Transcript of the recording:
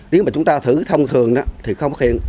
nếu mà chúng ta thử thông thường thì không phát hiện